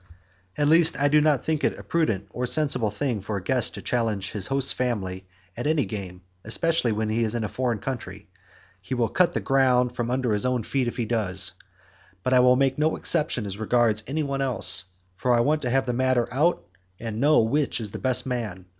At least I do not think it a prudent or a sensible thing for a guest to challenge his host's family at any game, especially when he is in a foreign country. He will cut the ground from under his own feet if he does; but I make no exception as regards any one else, for I want to have the matter out and know which is the best man.